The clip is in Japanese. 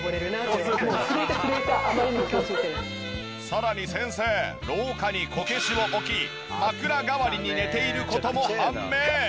さらに先生廊下にこけしを置き枕代わりに寝ている事も判明！